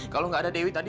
kalau gak ada dewi tadi